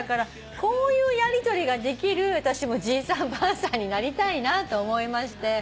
こういうやりとりができるじいさんばあさんになりたいなと思いまして。